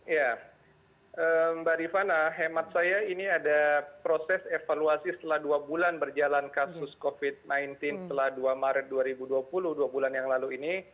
ya mbak rifana hemat saya ini ada proses evaluasi setelah dua bulan berjalan kasus covid sembilan belas setelah dua maret dua ribu dua puluh dua bulan yang lalu ini